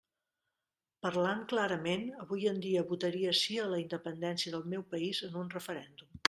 Parlant clarament avui en dia votaria sí a la independència del meu país en un referèndum.